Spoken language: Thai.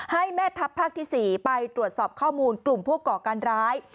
ให้แม่ทัพภาคที่๔ไปตรวจสอบข้อมูลกลุ่มผู้ก่อการร้าย